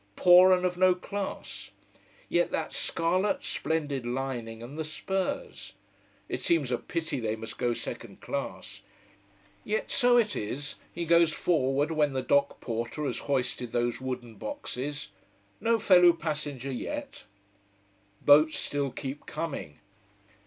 Poor and of no class. Yet that scarlet, splendid lining, and the spurs. It seems a pity they must go second class. Yet so it is, he goes forward when the dock porter has hoisted those wooden boxes. No fellow passenger yet. Boats still keep coming.